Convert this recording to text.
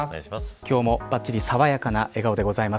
今日もばっちりさわやかな笑顔でございます。